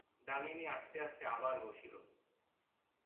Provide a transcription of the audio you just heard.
দামিনী আস্তে আস্তে আবার বসিল।